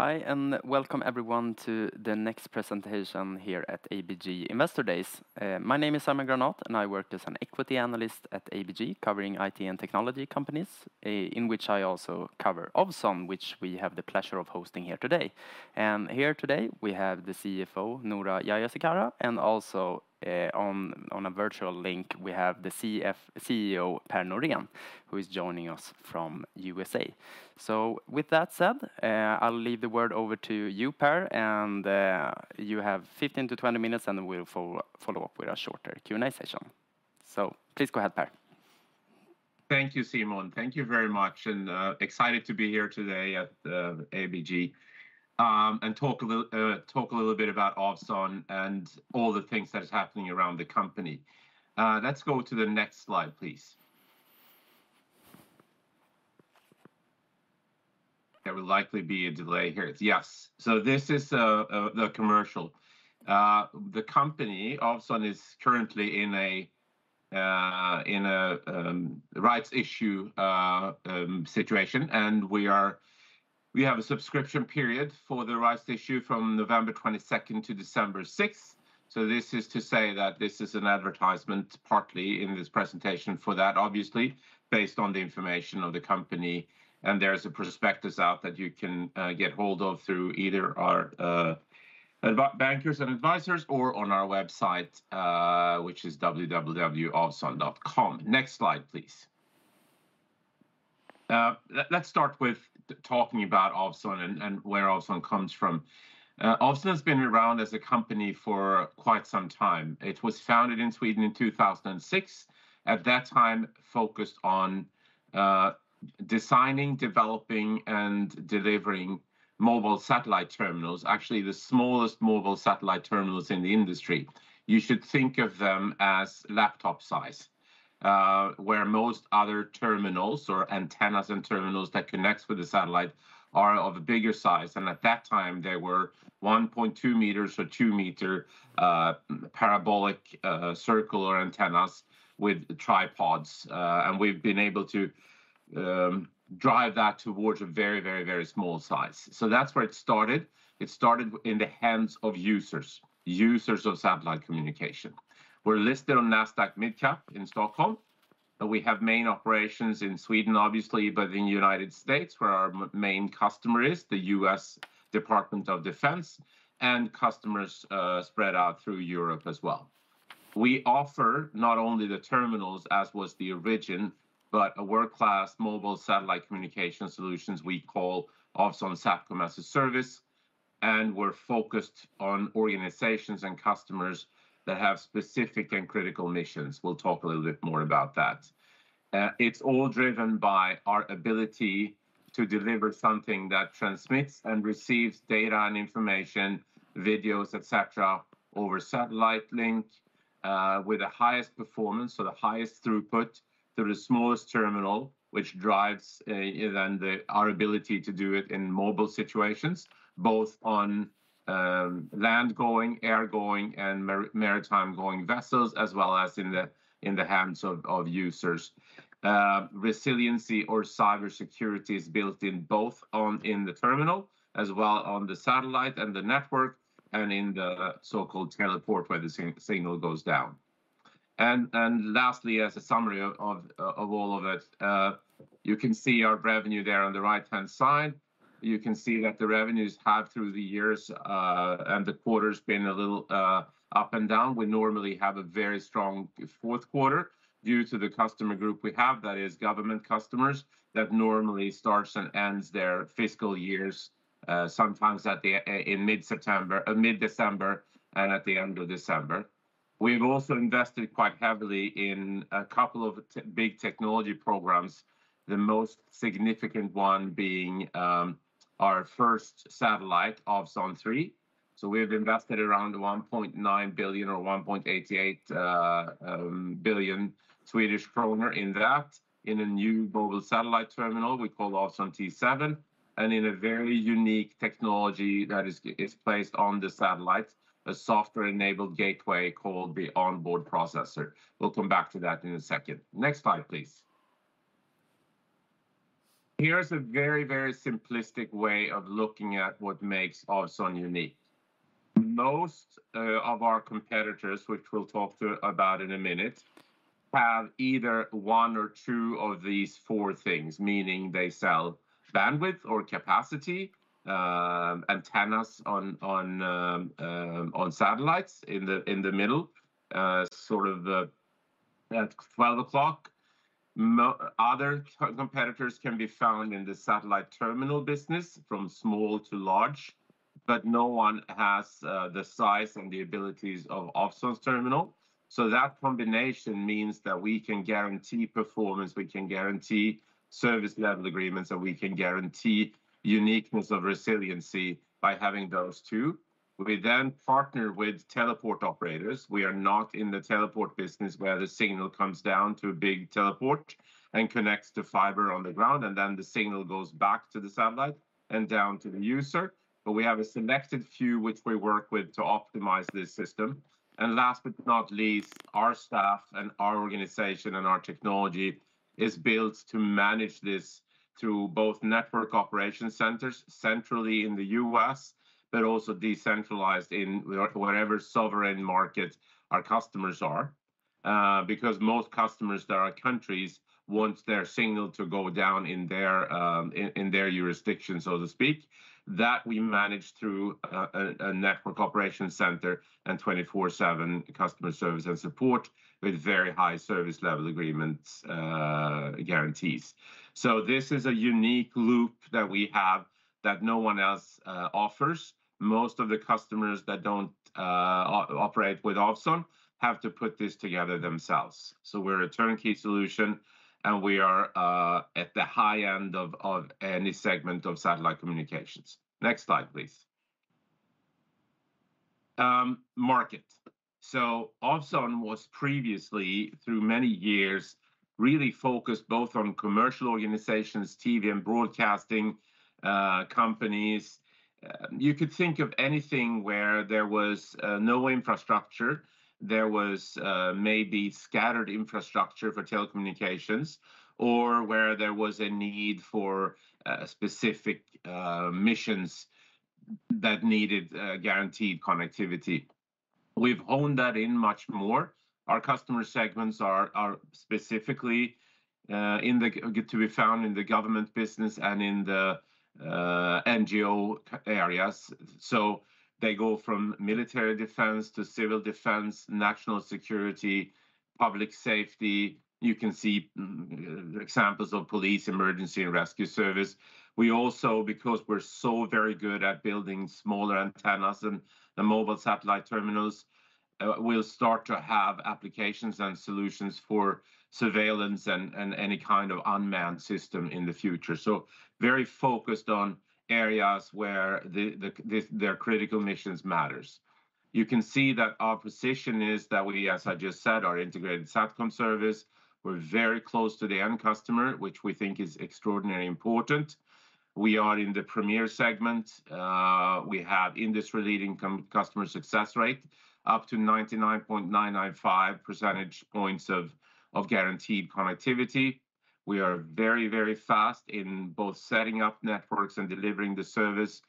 Hi, and welcome everyone to the next presentation here at ABG Investor Days. My name is Simon Granath, and I work as an equity analyst at ABG, covering IT and technology companies, in which I also cover Ovzon, which we have the pleasure of hosting here today. Here today, we have the CFO Noora Jayasekara, and also on a virtual link, we have the CEO Per Norén, who is joining us from USA. So with that said, I'll leave the word over to you, Per, and you have 15 minutes-20 minutes, and then we'll follow up with a shorter Q&A session. So please go ahead, Per. Thank you, Simon. Thank you very much, and excited to be here today at ABG and talk a little bit about Ovzon and all the things that is happening around the company. Let's go to the next slide, please. There will likely be a delay here. Yes. So this is the commercial. The company, Ovzon, is currently in a rights issue situation, and we have a subscription period for the rights issue from November 22nd to December 6th. So this is to say that this is an advertisement, partly in this presentation for that, obviously, based on the information of the company, and there is a prospectus out that you can get hold of through either our bankers and advisors or on our website, which is www.ovzon.com. Next slide, please. Let's start with talking about Ovzon and where Ovzon comes from. Ovzon has been around as a company for quite some time. It was founded in Sweden in 2006. At that time, focused on designing, developing, and delivering mobile satellite terminals, actually, the smallest mobile satellite terminals in the industry. You should think of them as laptop size. Where most other terminals or antennas and terminals that connects with the satellite are of a bigger size, and at that time, they were 1.2 meters or two meter parabolic, circular antennas with tripods. And we've been able to drive that towards a very, very, very small size. So that's where it started. It started in the hands of users, users of satellite communication. We're listed on Nasdaq Mid Cap in Stockholm, but we have main operations in Sweden, obviously, but in the United States, where our main customer is, the U.S. Department of Defense, and customers spread out through Europe as well. We offer not only the terminals, as was the origin, but a world-class mobile satellite communication solutions we call Ovzon Satcom-as-a-Service, and we're focused on organizations and customers that have specific and critical missions. We'll talk a little bit more about that. It's all driven by our ability to deliver something that transmits and receives data and information, videos, et cetera, over satellite link with the highest performance or the highest throughput through the smallest terminal, which drives our ability to do it in mobile situations, both on land-going, air-going, and maritime-going vessels, as well as in the hands of users. Resiliency or cybersecurity is built in both in the terminal, as well on the satellite and the network, and in the so-called teleport, where the signal goes down. Lastly, as a summary of all of it, you can see our revenue there on the right-hand side. You can see that the revenues have, through the years and the quarters, been a little up and down. We normally have a very strong fourth quarter due to the customer group we have, that is government customers, that normally starts and ends their fiscal years, sometimes in mid-September, mid-December and at the end of December. We've also invested quite heavily in a couple of big technology programs, the most significant one being our first satellite, Ovzon 3. So we've invested around 1.9 billion or 1.88 billion Swedish kronor in that, in a new mobile satellite terminal we call Ovzon T7, and in a very unique technology that is placed on the satellite, a software-enabled gateway called the onboard processor. We'll come back to that in a second. Next slide, please. Here's a very, very simplistic way of looking at what makes Ovzon unique. Most of our competitors, which we'll talk through about in a minute, have either one or two of these four things, meaning they sell bandwidth or capacity, antennas on satellites in the middle, sort of, at twelve o'clock. Other competitors can be found in the satellite terminal business, from small to large, but no one has the size and the abilities of Ovzon's terminal. So that combination means that we can guarantee performance, we can guarantee service-level agreements, and we can guarantee uniqueness of resiliency by having those two. We then partner with teleport operators. We are not in the teleport business, where the signal comes down to a big teleport and connects to fiber on the ground, and then the signal goes back to the satellite and down to the user. But we have a selected few which we work with to optimize this system. And last but not least, our staff and our organization and our technology is built to manage this through both network operation centers, centrally in the U.S., but also decentralized in wherever sovereign markets our customers are, because most customers that are countries want their signal to go down in their, in their jurisdiction, so to speak. That we manage through a network operation center and twenty-four-seven customer service and support with very high service level agreements, guarantees. So this is a unique loop that we have that no one else offers. Most of the customers that don't operate with Ovzon have to put this together themselves. We're a turnkey solution, and we are at the high end of any segment of satellite communications. Next slide, please. Market. Ovzon was previously, through many years, really focused both on commercial organizations, TV, and broadcasting companies. You could think of anything where there was no infrastructure, there was maybe scattered infrastructure for telecommunications, or where there was a need for specific missions that needed guaranteed connectivity. We've honed that in much more. Our customer segments are specifically in the government business and in the NGO areas. They go from military defense to civil defense, national security, public safety. You can see examples of police, emergency, and rescue service. We also, because we're so very good at building smaller antennas and the mobile satellite terminals, we'll start to have applications and solutions for surveillance and any kind of unmanned system in the future. So very focused on areas where their critical missions matters. You can see that our position is that we, as I just said, our integrated SATCOM service, we're very close to the end customer, which we think is extraordinarily important. We are in the premier segment. We have industry-leading customer success rate, up to 99.995 percentage points of guaranteed connectivity. We are very, very fast in both setting up networks and delivering the service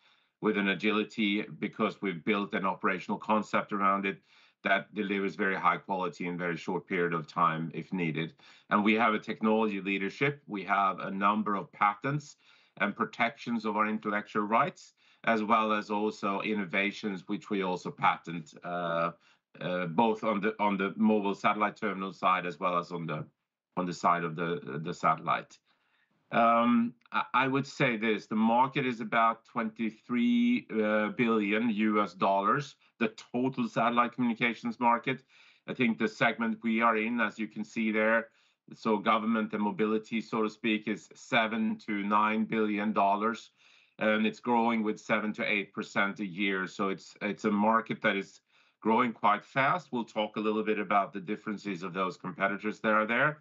with an agility, because we've built an operational concept around it that delivers very high quality in very short period of time, if needed. And we have a technology leadership. We have a number of patents and protections of our intellectual rights, as well as also innovations, which we also patent, both on the mobile satellite terminal side, as well as on the side of the satellite. I would say this, the market is about $23 billion, the total satellite communications market. I think the segment we are in, as you can see there, so government and mobility, so to speak, is $7 billion-$9 billion, and it's growing with 7%-8% a year. So it's a market that is growing quite fast. We'll talk a little bit about the differences of those competitors that are there.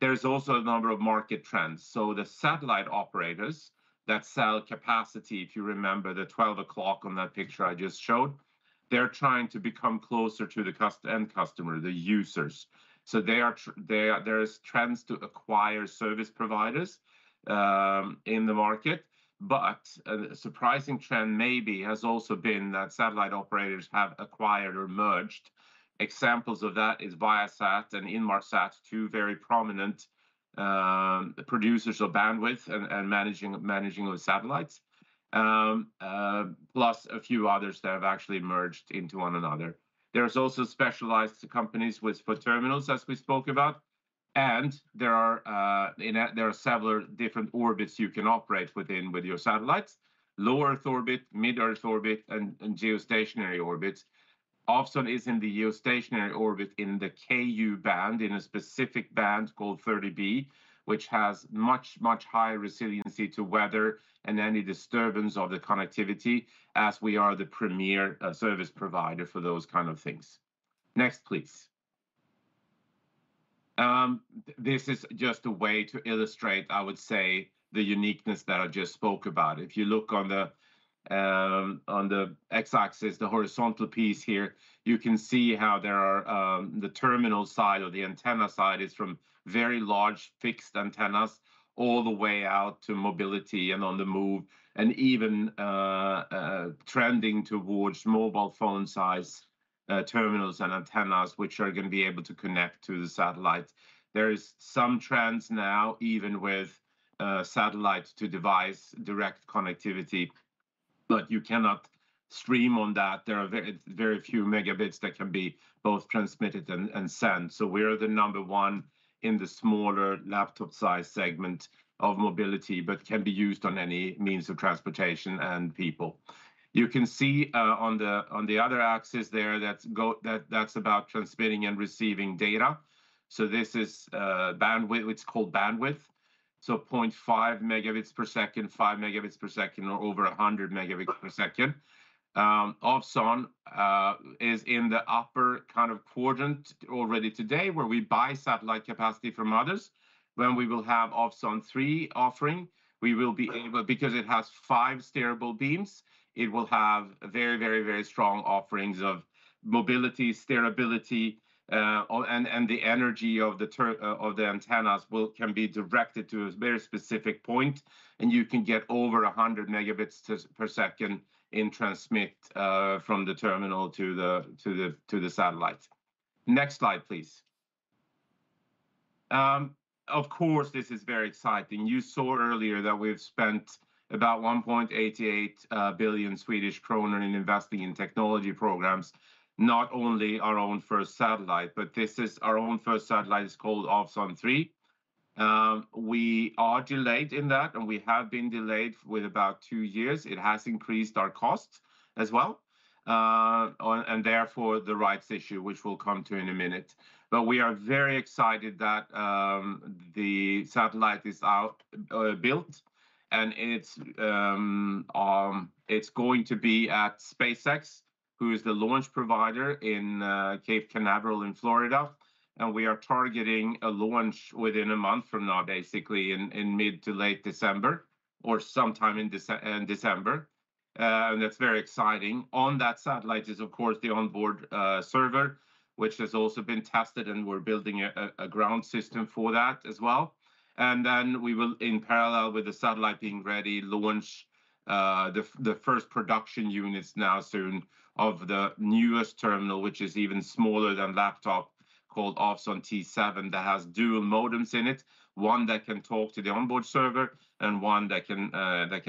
There's also a number of market trends. So the satellite operators that sell capacity, if you remember the 12 o'clock on that picture I just showed, they're trying to become closer to the end customer, the users. So, there is trends to acquire service providers in the market. But a surprising trend maybe has also been that satellite operators have acquired or merged. Examples of that is Viasat and Inmarsat, two very prominent producers of bandwidth and managing the satellites. Plus a few others that have actually merged into one another. There's also specialized companies for terminals, as we spoke about, and there are several different orbits you can operate within with your satellites. Low Earth Orbit, Medium Earth Orbit, and Geostationary Orbit. Ovzon is in the geostationary orbit in the Ku-band, in a specific band called 30B, which has much, much higher resiliency to weather and any disturbance of the connectivity, as we are the premier service provider for those kind of things. Next, please. This is just a way to illustrate, I would say, the uniqueness that I just spoke about. If you look on the, on the x-axis, the horizontal piece here, you can see how there are, the terminal side or the antenna side is from very large fixed antennas, all the way out to mobility and on the move, and even, trending towards mobile phone-size, terminals and antennas, which are gonna be able to connect to the satellite. There is some trends now, even with, satellite-to-device direct connectivity, but you cannot stream on that. There are very, very few megabits that can be both transmitted and sent. So we're the number one in the smaller laptop-size segment of mobility, but can be used on any means of transportation and people. You can see on the other axis there, that's about transmitting and receiving data. So this is bandwidth. It's called bandwidth, so 0.5 megabits per second, 5 megabits per second or over 100 megabits per second. Ovzon is in the upper kind of quadrant already today, where we buy satellite capacity from others. When we will have Ovzon 3 offering, we will be able because it has five steerable beams, it will have very, very, very strong offerings of mobility, steerability, all, and the energy of the ter of the antennas will... can be directed to a very specific point, and you can get over 100 Mbps in transmit from the terminal to the satellite. Next slide, please. Of course, this is very exciting. You saw earlier that we've spent about 1.88 billion Swedish kronor in investing in technology programs, not only our own first satellite, but this is our own first satellite. It's called Ovzon 3. We are delayed in that, and we have been delayed with about two years. It has increased our costs as well, and therefore, the rights issue, which we'll come to in a minute. But we are very excited that the satellite is out, built, and it's going to be at SpaceX, who is the launch provider in Cape Canaveral in Florida, and we are targeting a launch within a month from now, basically, in mid to late December or sometime in December. And that's very exciting. On that satellite is, of course, the onboard server, which has also been tested, and we're building a ground system for that as well. Then we will, in parallel with the satellite being ready, launch the first production units now soon of the newest terminal, which is even smaller than laptop, called Ovzon T7, that has dual modems in it, one that can talk to the onboard server and one that can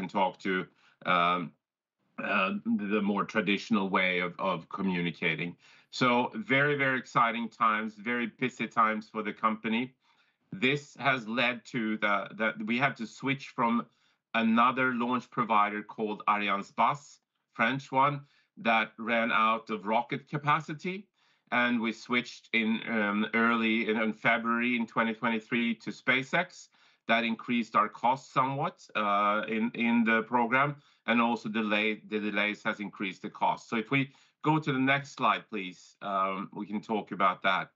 talk to the more traditional way of communicating. So very, very exciting times, very busy times for the company. This has led to the... We had to switch from another launch provider called Arianespace, French one, that ran out of rocket capacity, and we switched in early in February 2023 to SpaceX. That increased our cost somewhat in the program, and also delayed—the delays has increased the cost. So if we go to the next slide, please, we can talk about that.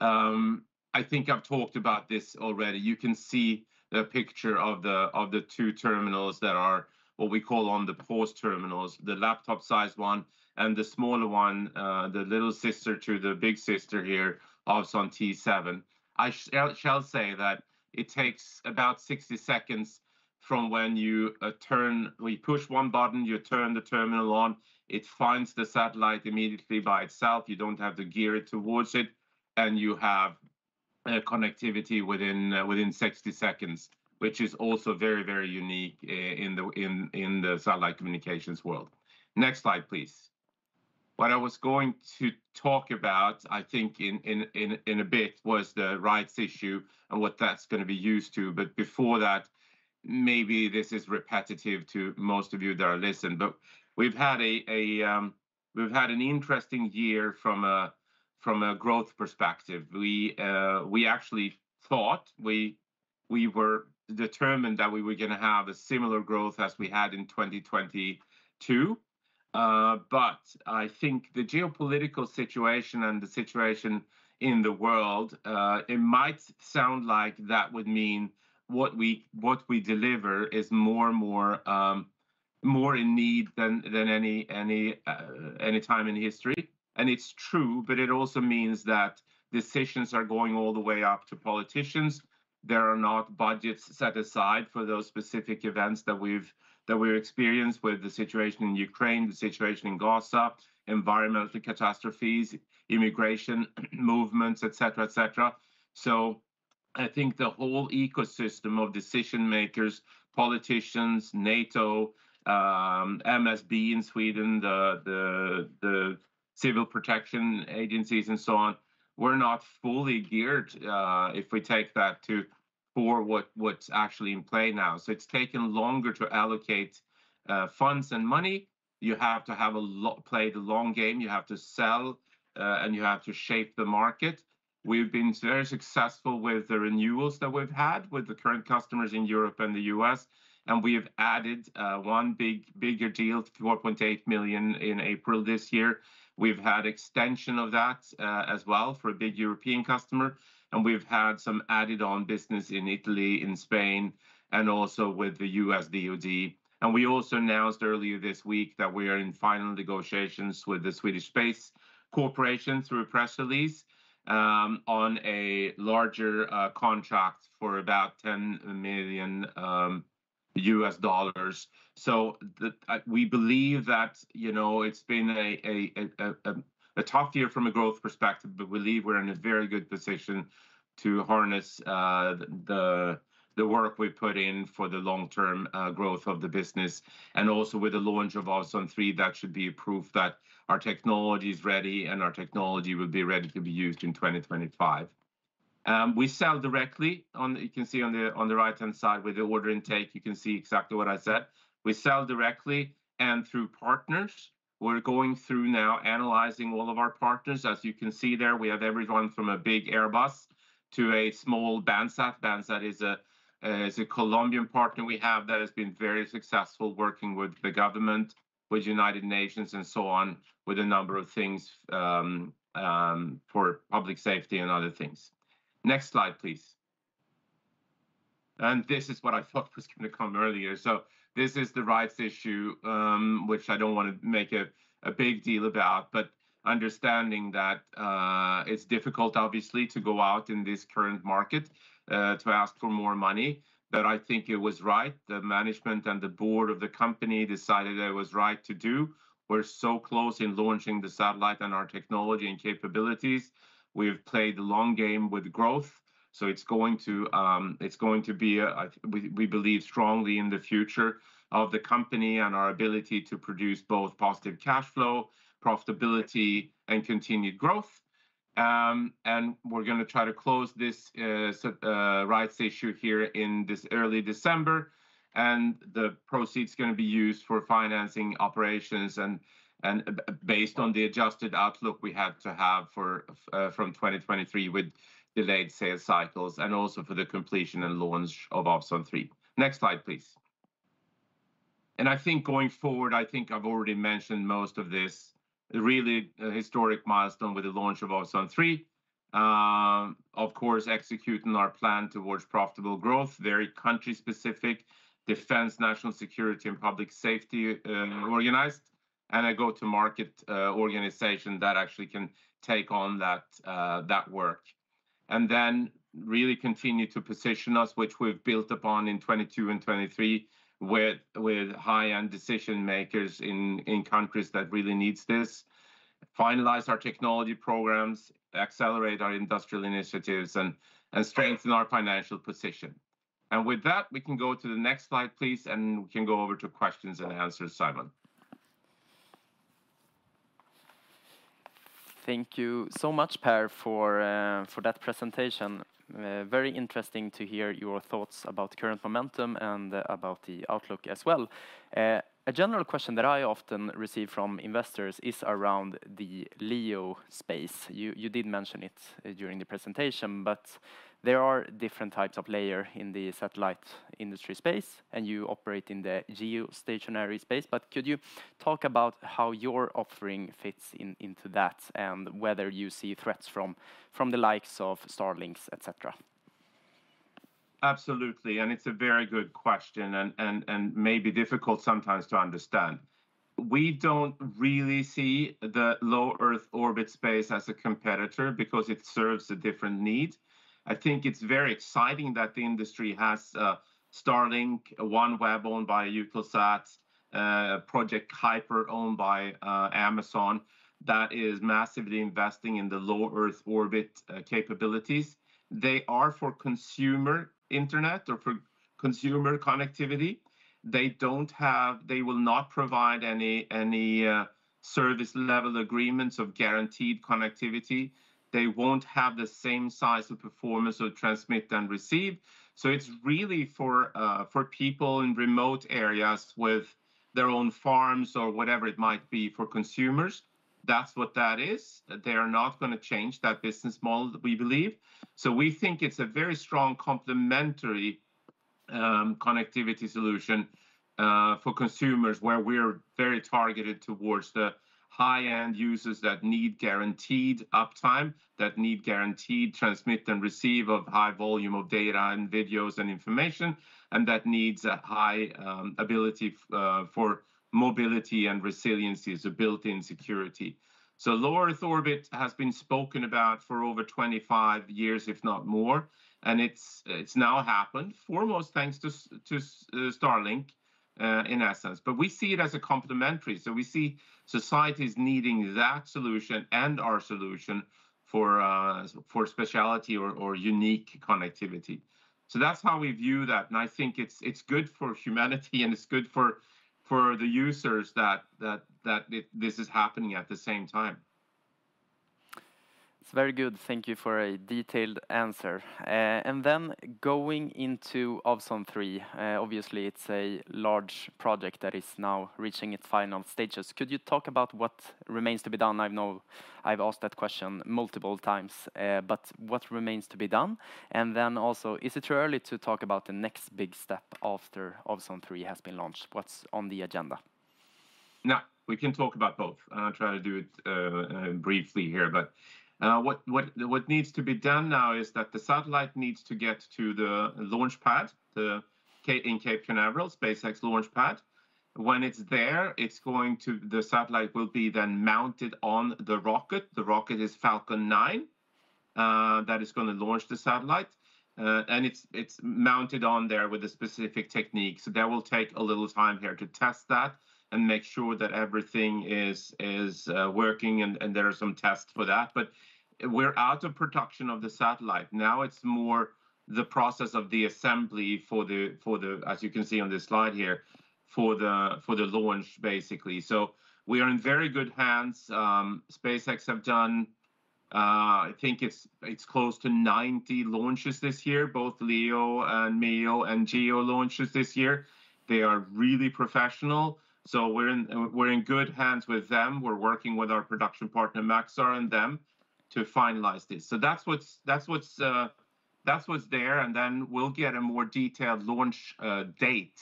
I think I've talked about this already. You can see the picture of the two terminals that are what we call on the PAUSE terminals, the laptop-sized one and the smaller one, the little sister to the big sister here, Ovzon T7. I shall say that it takes about 60 seconds from when you push one button, you turn the terminal on, it finds the satellite immediately by itself. You don't have to gear it towards it, and you have connectivity within 60 seconds, which is also very, very unique in the satellite communications world. Next slide, please. What I was going to talk about, I think in a bit, was the rights issue and what that's gonna be used to. But before that, maybe this is repetitive to most of you that are listening, but we've had an interesting year from a growth perspective. We actually thought we were determined that we were gonna have a similar growth as we had in 2022. But I think the geopolitical situation and the situation in the world, it might sound like that would mean what we deliver is more and more more in need than any time in history, and it's true, but it also means that decisions are going all the way up to politicians. There are not budgets set aside for those specific events that we've experienced with the situation in Ukraine, the situation in Gaza, environmental catastrophes, immigration movements, et cetera, et cetera. So I think the whole ecosystem of decision-makers, politicians, NATO, MSB in Sweden, the civil protection agencies, and so on, were not fully geared, if we take that to for what, what's actually in play now. So it's taken longer to allocate funds and money. You have to play the long game, you have to sell, and you have to shape the market. We've been very successful with the renewals that we've had with the current customers in Europe and the U.S., and we have added one big, bigger deal, 4.8 million in April this year. We've had extension of that as well for a big European customer, and we've had some added-on business in Italy, in Spain, and also with the U.S. DOD. We also announced earlier this week that we are in final negotiations with the Swedish Space Corporation, through a press release, on a larger contract for about $10 million. So we believe that, you know, it's been a tough year from a growth perspective, but we believe we're in a very good position to harness the work we put in for the long-term growth of the business, and also with the launch of Ovzon 3, that should be a proof that our technology is ready, and our technology will be ready to be used in 2025. We sell directly on... You can see on the right-hand side, with the order intake, you can see exactly what I said. We sell directly and through partners. We're going through now, analyzing all of our partners. As you can see there, we have everyone from a big Airbus to a small Bansat. Bansat is a Colombian partner we have that has been very successful working with the government, with United Nations, and so on, with a number of things, for public safety and other things. Next slide, please. This is what I thought was gonna come earlier. So this is the rights issue, which I don't want to make a big deal about, but understanding that, it's difficult, obviously, to go out in this current market to ask for more money, but I think it was right. The management and the board of the company decided that it was right to do. We're so close in launching the satellite and our technology and capabilities. We've played the long game with growth, so it's going to be, we believe strongly in the future of the company and our ability to produce both positive cash flow, profitability, and continued growth. And we're gonna try to close this rights issue here in this early December, and the proceeds are gonna be used for financing operations and based on the adjusted outlook we had to have for 2023 with delayed sales cycles and also for the completion and launch of Ovzon 3. Next slide, please. I think going forward, I think I've already mentioned most of this, really, historic milestone with the launch of Ovzon 3. Of course, executing our plan towards profitable growth, very country-specific, defense, national security, and public safety, organized, and a go-to-market that actually can take on that work. And then really continue to position us, which we've built upon in 2022 and 2023, with high-end decision makers in countries that really needs this. Finalize our technology programs, accelerate our industrial initiatives, and strengthen our financial position. And with that, we can go to the next slide, please, and we can go over to questions and answers, Simon. Thank you so much, Per, for that presentation. Very interesting to hear your thoughts about the current momentum and about the outlook as well. A general question that I often receive from investors is around the LEO space. You did mention it during the presentation, but there are different types of layers in the satellite industry space, and you operate in the geostationary space. But could you talk about how your offering fits into that, and whether you see threats from the likes of Starlink's, et cetera? Absolutely, and it's a very good question and may be difficult sometimes to understand. We don't really see the low Earth orbit space as a competitor, because it serves a different need. I think it's very exciting that the industry has Starlink, OneWeb, owned by Eutelsat, Project Kuiper, owned by Amazon, that is massively investing in the low Earth orbit capabilities. They are for consumer internet or for consumer connectivity. They don't have... They will not provide any service-level agreements of guaranteed connectivity. They won't have the same size or performance or transmit and receive, so it's really for for people in remote areas with their own farms or whatever it might be for consumers. That's what that is, that they are not gonna change that business model, we believe. So we think it's a very strong complementary connectivity solution for consumers, where we're very targeted towards the high-end users that need guaranteed uptime, that need guaranteed transmit and receive of high volume of data and videos and information, and that needs a high ability for mobility and resiliency, so built-in security. So low Earth orbit has been spoken about for over 25 years, if not more, and it's now happened, foremost thanks to Starlink, in essence. But we see it as a complementary, so we see societies needing that solution and our solution for specialty or unique connectivity. So that's how we view that, and I think it's good for humanity and it's good for the users that this is happening at the same time. It's very good. Thank you for a detailed answer. And then going into Ovzon 3, obviously it's a large project that is now reaching its final stages. Could you talk about what remains to be done? I know I've asked that question multiple times, but what remains to be done? And then also, is it too early to talk about the next big step after Ovzon 3 has been launched? What's on the agenda? No, we can talk about both, and I'll try to do it briefly here. But what needs to be done now is that the satellite needs to get to the launch pad, the one in Cape Canaveral, SpaceX launch pad. When it's there, the satellite will be then mounted on the rocket. The rocket is Falcon 9 that is gonna launch the satellite, and it's mounted on there with a specific technique. So that will take a little time here to test that and make sure that everything is working, and there are some tests for that. But we're out of production of the satellite. Now it's more the process of the assembly for the, as you can see on this slide here, for the launch, basically. So we are in very good hands. SpaceX have done, I think it's close to 90 launches this year, both LEO and MEO and GEO launches this year. They are really professional, so we're in good hands with them. We're working with our production partner, Maxar, and them to finalize this. So that's what's there, and then we'll get a more detailed launch date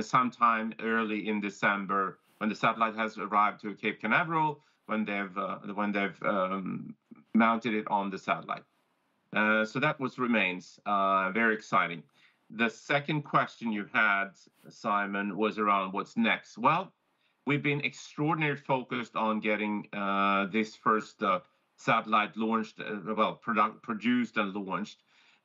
sometime early in December when the satellite has arrived to Cape Canaveral, when they've mounted it on the satellite. So that's what remains, very exciting. The second question you had, Simon, was around what's next. Well, we've been extraordinarily focused on getting this first satellite launched, well, produced and launched.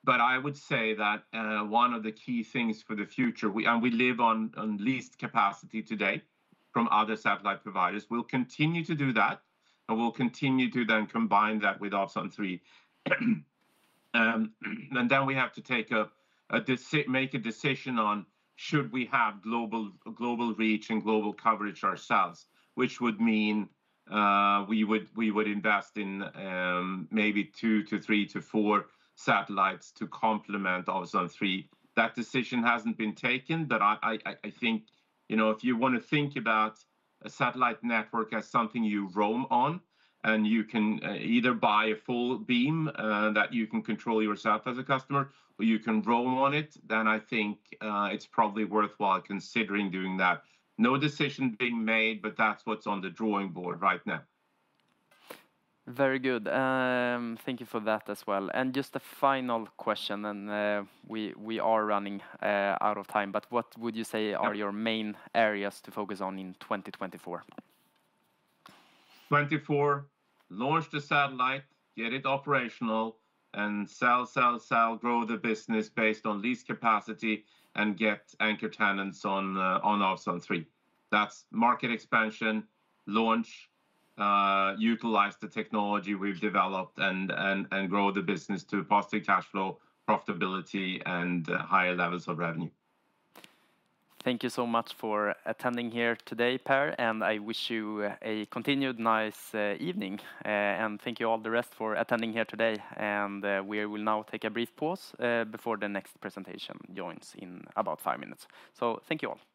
But I would say that, one of the key things for the future, we live on, on leased capacity today from other satellite providers. We'll continue to do that, and we'll continue to then combine that with Ovzon 3. And then we have to make a decision on should we have global, global reach and global coverage ourselves, which would mean, we would invest in, maybe two to thre to four satellites to complement Ovzon 3. That decision hasn't been taken, but I think, you know, if you want to think about a satellite network as something you roam on, and you can, either buy a full beam, that you can control yourself as a customer, or you can roam on it, then I think, it's probably worthwhile considering doing that. No decision being made, but that's what's on the drawing board right now. Very good. Thank you for that as well. And just a final question, and we are running out of time, but what would you say are your main areas to focus on in 2024? 2024, launch the satellite, get it operational, and sell, sell, sell, grow the business based on leased capacity, and get anchor tenants on Ovzon 3. That's market expansion, launch, utilize the technology we've developed, and grow the business to positive cash flow, profitability, and higher levels of revenue. Thank you so much for attending here today, Per, and I wish you a continued nice evening. Thank you all the rest for attending here today. We will now take a brief pause before the next presentation joins in about five minutes. Thank you all!